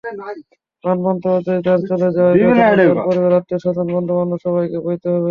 প্রাণবন্ত অজয় দার চলে যাওয়ার বেদনা তাঁর পরিবার, আত্মীয়স্বজন, বন্ধুবান্ধব—সবাইকে বইতে হবে।